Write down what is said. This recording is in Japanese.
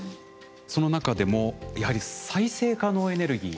その中でもやはり再生可能エネルギー